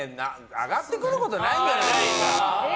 挙がってくることないんじゃないですか。